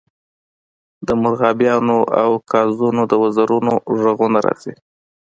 د مرغابیانو او قازونو د وزرونو غږونه راځي